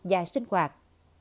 và sinh hoạt